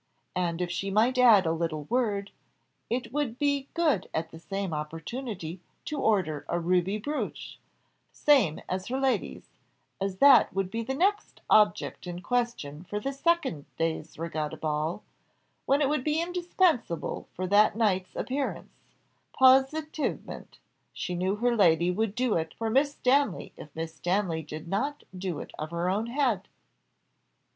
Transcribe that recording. And if she might add a little word, it would be good at the same opportunity to order a ruby brooch, the same as her lady's, as that would be the next object in question for the second day's regatta ball, when it would be indispensable for that night's appearance; positivement, she knew her lady would do it for Miss Stanley if Miss Stanley did not do it of her own head."